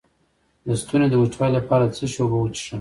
د ستوني د وچوالي لپاره د څه شي اوبه وڅښم؟